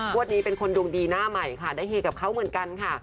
วันนี้เป็นคนดวงดีหน้าใหม่ค่ะได้เฮกับเขาเหมือนกันค่ะ